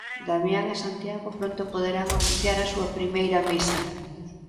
Damián e Santiago pronto poderán oficiar a súa primeira misa.